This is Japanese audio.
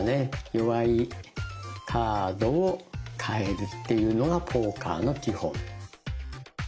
弱いカードを換えるっていうのがポーカーの基本。